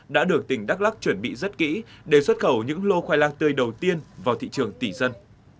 đã được tỉnh đắk lắc chuẩn bị rất kỹ để xuất khẩu những lô khoai lang tươi đầu tiên vào thị trường tỷ dân